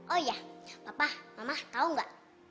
oh ya papa mama tahu nggak